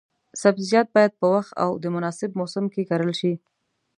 سبزیجات باید په وخت او د مناسب موسم کې کرل شي.